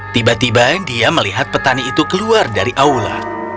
tiba tiba dia melihat petani itu keluar dari aula